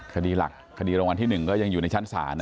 คดีหลักคดีรางวัลที่๑ก็ยังอยู่ในชั้นศาล